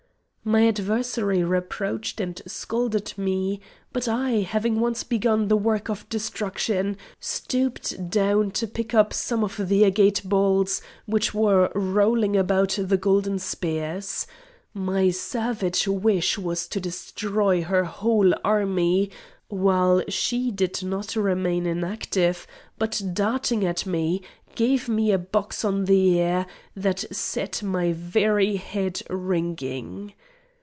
My adversary reproached and scolded me, but I, having once begun the work of destruction, stooped down to pick up some of the agate balls, which were rolling about the golden spears. My savage wish was to destroy her whole army; while she did not remain inactive, but darting at me gave me a box on the ear, that set my very head ringing.